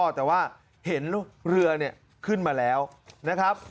แต่ว่าเห็นเรือเนี่ยขึ้นมาแล้วนะครับ